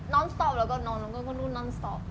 นอนสตอปแล้วก็นอนแล้วก็นอนสตอป